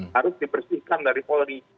harus dibersihkan dari polri